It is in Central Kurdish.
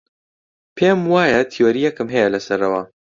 پێم وایە تیۆرییەکم هەیە لەسەر ئەوە.